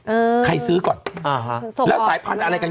เอ่อใครซื้อก่อนอ่าฮะส่วนสกปราวท์ส่วนปลูกหน่อย